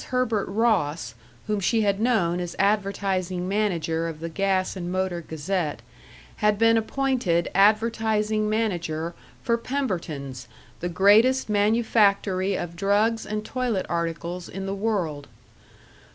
Herbert Ross, whom she had known as advertising manager of the Gas and Motor Gazette, had been appointed advertising manager for Pemberton's the greatest manufactory of drugs and toilet articles in the world.